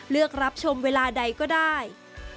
เลือกรับชมเวลาใดก็ได้